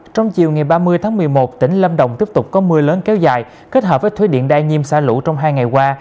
trong chiều ngày ba mươi tháng một mươi một tỉnh lâm đồng tiếp tục có mưa lớn kéo dài kết hợp với thủy điện đa nhiêm xả lũ trong hai ngày qua